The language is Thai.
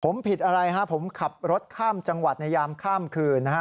ผมผิดอะไรฮะผมขับรถข้ามจังหวัดในยามข้ามคืนนะฮะ